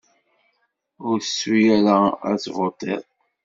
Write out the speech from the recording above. Ur tettu ara ad tvuṭiḍ!